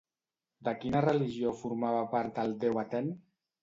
De quina religió formava part el déu Atèn?